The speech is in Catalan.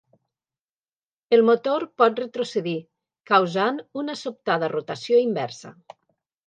El motor pot retrocedir, causant una sobtada rotació inversa.